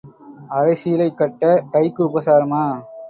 அரைச் சீலை கட்டக் கைக்கு உபசாரமா?